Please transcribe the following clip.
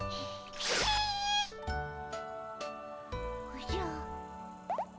おじゃ。